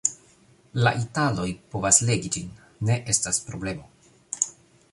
La italoj povas legi ĝin; ne estas problemo.